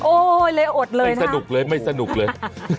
โอ๊ยเลยอดเลยนะไม่สนุกเลย